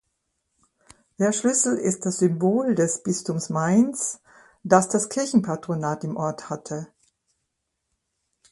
Der Schlüssel ist das Symbol des Bistums Mainz, das das Kirchenpatronat im Ort hatte.